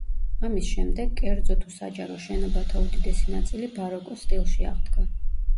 ამის შემდეგ, კერძო თუ საჯარო შენობათა უდიდესი ნაწილი ბაროკოს სტილში აღდგა.